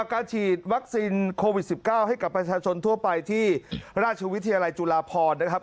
การฉีดวัคซีนโควิด๑๙ให้กับประชาชนทั่วไปที่ราชวิทยาลัยจุฬาพรนะครับ